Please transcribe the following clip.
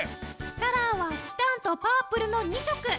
カラーはチタンとパープルの２色。